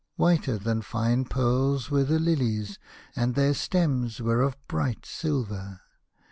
Whiter than fine pearls were the lilies, and their stems were of bright silver.